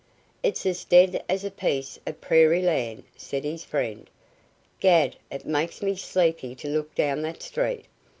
"It's as dead as a piece of prairie land," said his friend. "'Gad, it makes me sleepy to look down that street.